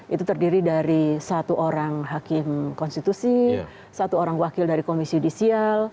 itu terdiri dari satu orang hakim konstitusi satu orang wakil dari komisi judisial